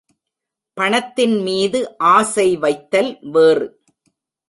பணத்தின் மீது ஆசை வைத்தல் வேறு.